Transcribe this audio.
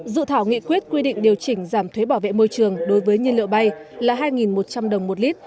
dự thảo nghị quyết quy định điều chỉnh giảm thuế bảo vệ môi trường đối với nhiên liệu bay là hai một trăm linh đồng một lít